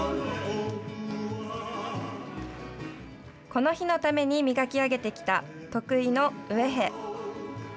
この日のために磨き上げてきた得意のウウェヘ。